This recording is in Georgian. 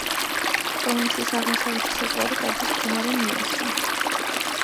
პროვინციის აღმოსავლეთი საზღვარი გადის მდინარე ნილოსზე.